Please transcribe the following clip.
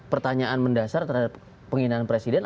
pertanyaan mendasar terhadap penghinaan presiden